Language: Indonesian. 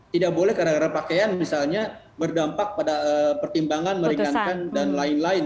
tidak boleh gara gara pakaian misalnya berdampak pada pertimbangan meringankan dan lain lain